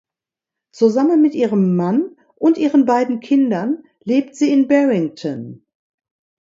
Zusammen mit ihrem Mann und ihren beiden Kindern lebt sie in Barrington.